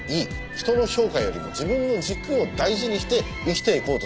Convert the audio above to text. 人の評価よりも自分の軸を大事にして生きていこうとする。